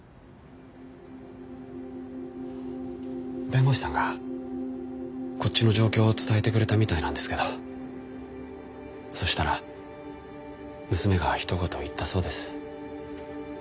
弁護士さんがこっちの状況を伝えてくれたみたいなんですけどそしたら娘がひと言言ったそうです。